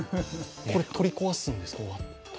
取り壊すんですか？